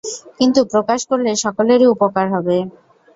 কিন্তু প্রকাশ করলে, সকলেরই উপকার হবে।